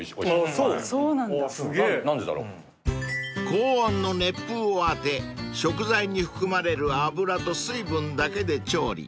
［高温の熱風を当て食材に含まれる脂と水分だけで調理］